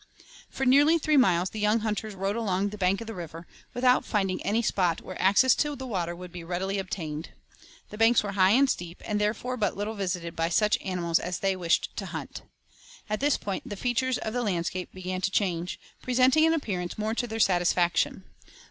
For nearly three miles, the young hunters rode along the bank of the river, without finding any spot where access to the water could be readily obtained. The banks were high and steep, and therefore but little visited by such animals as they wished to hunt. At this point the features of the landscape began to change, presenting an appearance more to their satisfaction.